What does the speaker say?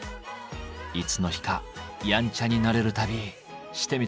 いつの日かやんちゃになれる旅してみたいな！